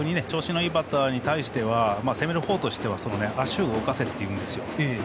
逆に調子のいいバッターに対しては足を動かせというんですよ。